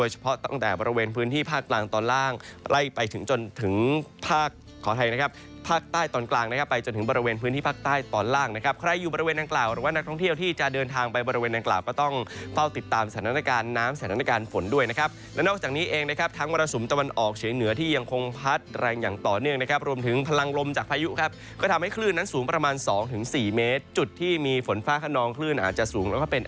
หลายบริเวณนักท่องเที่ยวที่จะเดินทางไปบริเวณอังกฬาวก็ต้องเฝ้าติดตามสถานการณ์น้ำสถานการณ์ฝนด้วยนะครับและนอกจากนี้เองนะครับทั้งวรสุมตะวันออกเฉียงเหนือที่ยังคงพัดแรงอย่างต่อเนื่องนะครับรวมถึงพลังลมจากพายุครับก็ทำให้คลื่นนั้นสูงประมาณ๒๔เมตรจุดที่มีฝนฟ้าขนองคลื่นอาจจะสูง